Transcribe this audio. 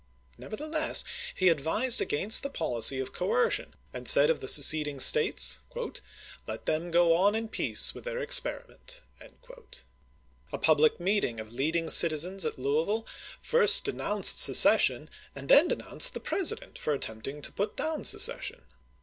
Nevertheless he advised against the policy of coer cion, and said of the seceding States, "Let them go on in peace with their experiment." A public meeting of leading citizens at Louisville first de nounced secession and then denounced the Presi dent for attempting to put down secession.